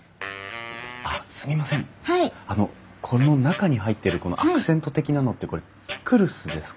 あのこの中に入ってるアクセント的なのってこれピクルスですか？